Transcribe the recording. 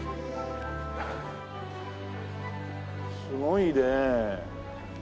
すごいね。